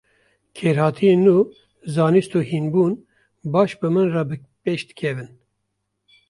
Kêrhatiyên nû, zanist û hînbûn, baş bi min re bi pêş dikevin.